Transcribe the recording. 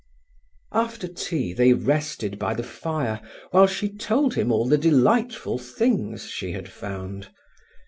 After tea they rested by the fire, while she told him all the delightful things she had found.